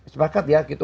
sepakat ya gitu